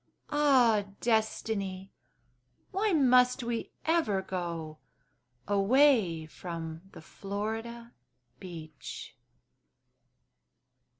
Ah, Destiny! Why must we ever go Away from the Florida beach?